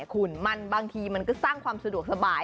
คุณบางทีมันก็สร้างความสะดวกสบาย